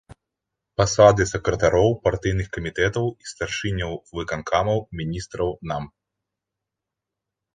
Пасады сакратароў партыйных камітэтаў і старшыняў выканкамаў, міністраў, нам.